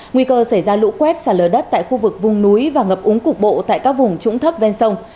nguy cơ xảy ra lũ quét xả lở đất tại khu vực vùng núi và ngập úng cục bộ tại các vùng trũng thấp ven sông